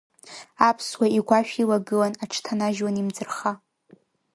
Аԥсуа игәашә илагылан, аҽҭанажьуан имӡырха.